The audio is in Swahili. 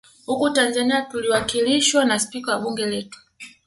Huku Tanzania tuliwakilishwa na spika wa bunge letu